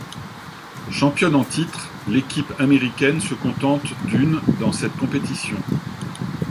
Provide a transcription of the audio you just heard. Championne en titre, l'équipe américaine se contente d'une dans cette compétition.